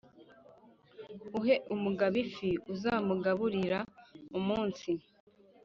uhe umugabo ifi uzamugaburira umunsi ...